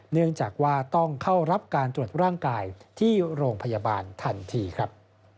เนื่องจากว่าต้องเข้ารับการตรวจร่างกายที่โรงพยาบาลทันทีครับ